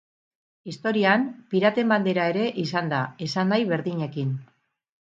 Historian, piraten bandera ere izan da, esanahi berdinekin.